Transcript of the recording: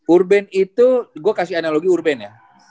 urban itu gue kasih analogi urban ya